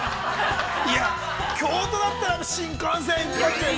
◆いや、京都だったら新幹線一発で。